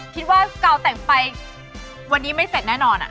ว่ากาวแต่งไฟวันนี้ไม่เสร็จแน่นอน